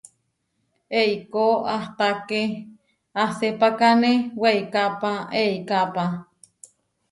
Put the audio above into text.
Eikó ahtaké asepákane weikápa eikápa.